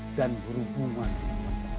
dan berhubungan dengan orang lain